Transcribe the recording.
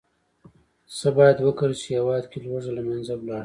څه باید وکرل شي، چې هېواد کې لوږه له منځه لاړه شي.